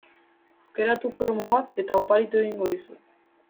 Aukeratu kromo bat eta oparitu egingo dizut.